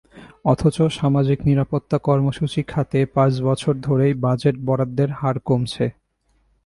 অথচ সামাজিক নিরাপত্তা কর্মসূচি খাতে পাঁচ বছর ধরেই বাজেট বরাদ্দের হার কমছে।